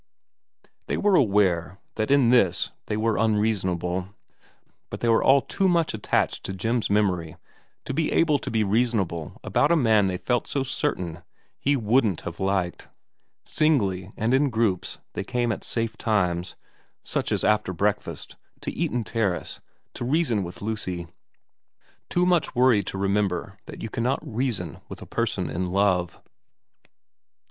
They were aware that in 118 VERA xi this they were unreasonable, but they were all too much attached to Jim's memory to be able to be reasonable about a man they felt so certain he wouldn't have liked. Singly and in groups they came at safe times, such as after breakfast, to Eaton Terrace to reason with Lucy, too much worried to remember that you cannot reason with a person in love.